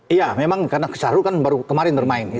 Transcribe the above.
iya memang karena syahrul kan baru kemarin bermain